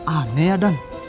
aneh ya dan